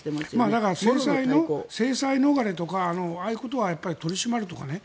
だから制裁逃れとかああいうことは取り締まるとかね。